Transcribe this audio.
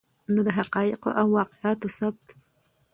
نو د حقایقو او واقعاتو ثبت